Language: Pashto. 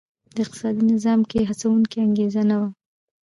د اقتصادي نظام کې هڅوونکې انګېزه نه وه.